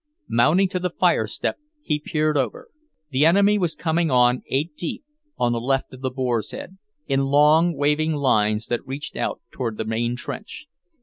Mounting to the firestep, he peered over. The enemy was coming on eight deep, on the left of the Boar's Head, in long, waving lines that reached out toward the main trench.